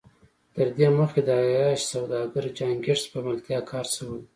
تر دې مخکې د عياش سوداګر جان ګيټس په ملتيا کار شوی و.